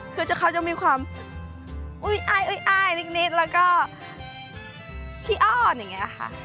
คือเขาจะมีความอุ้ยนิดแล้วก็ขี้อ้อนอย่างนี้ค่ะ